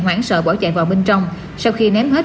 hoảng sợ bỏ chạy vào bên trong sau khi ném hết